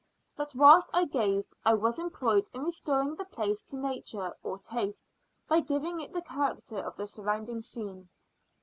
But whilst I gazed, I was employed in restoring the place to nature, or taste, by giving it the character of the surrounding scene.